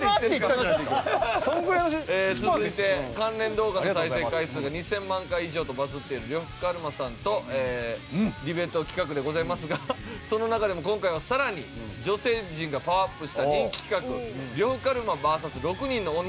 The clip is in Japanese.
続いて関連動画の再生回数が２０００万回以上とバズっている呂布カルマさんとディベート企画でございますがその中でも今回はさらに女性陣がパワーアップした人気企画呂布カルマＶＳ６人の女をお届け致します。